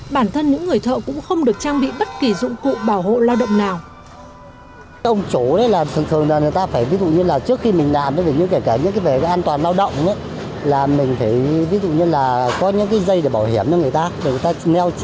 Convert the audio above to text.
bản thân những người thợ cũng không được trang bị bất kỳ dụng cụ bảo hộ lao động nào